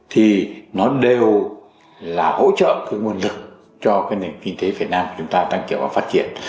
thì nó đều là hỗ trợ cái nguồn lực cho cái nền kinh tế việt nam chúng ta đang kiểu vào phát triển